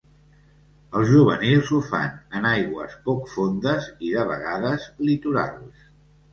Els juvenils ho fan en aigües poc fondes i, de vegades, litorals.